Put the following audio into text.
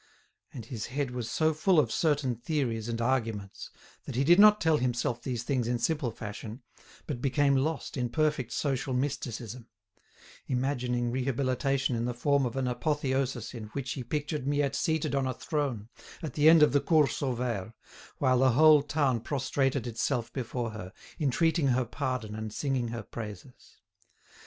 And his head was so full of certain theories and arguments, that he did not tell himself these things in simple fashion, but became lost in perfect social mysticism; imagining rehabilitation in the form of an apotheosis in which he pictured Miette seated on a throne, at the end of the Cours Sauvaire, while the whole town prostrated itself before her, entreating her pardon and singing her praises.